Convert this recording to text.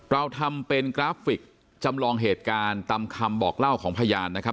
เราทำเป็นกราฟิกจำลองเหตุการณ์ตามคำบอกเล่าของพยานนะครับ